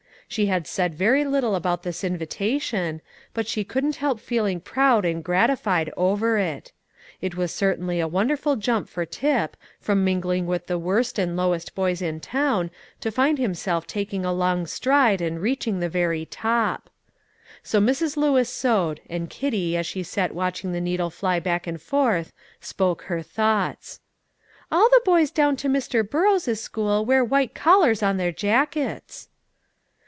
She had said very little about this invitation, but she couldn't help feeling proud and gratified over it. It was certainly a wonderful jump for Tip, from mingling with the worst and lowest boys in town, to find himself taking a long stride, and reaching the very top. So Mrs. Lewis sewed, and Kitty, as she sat watching the needle fly back and forth, spoke her thoughts: "All of the boys down to Mr. Burrows' school wear white collars on their jackets."